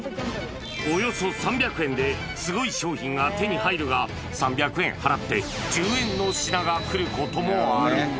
およそ３００円ですごい商品が手に入るが、３００円払って１０円の品が来ることもある。